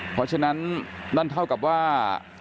เพราะฉะนั้นนั่นเท่ากับว่า